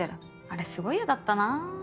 あれすごい嫌だったな。